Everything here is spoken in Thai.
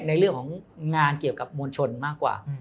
ในเรื่องของงานเกี่ยวกับมวลชนมากกว่า